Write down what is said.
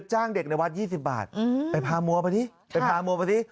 จ้างเด็กในวัดยี่สิบบาทไปพามัวไปดิไปพามัวไปดิ